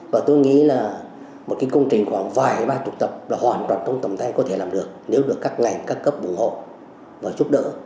và tôi nghĩ là một cái công trình khoảng vài ba mươi tập là hoàn toàn trong tầm thay có thể làm được nếu được các ngành các cấp ủng hộ và giúp đỡ